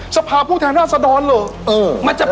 สภาภูเทศนธรรย์หรอก